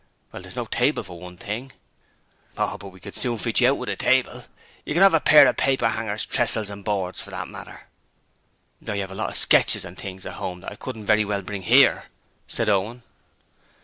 'Well, there's no table, for one thing.' 'Oh, but we can soon fit you out with a table. You can 'ave a pair of paperhanger's tressels and boards for that matter.' 'I have a lot of sketches and things at home that I couldn't very well bring here,' said Owen.